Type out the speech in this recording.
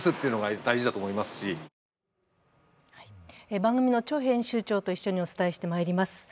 番組のチョウ編集長と一緒にお伝えしてまいります。